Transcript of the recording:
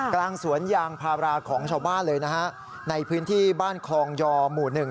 กลางสวนยางพาราของชาวบ้านเลยนะฮะในพื้นที่บ้านคลองยอหมู่หนึ่ง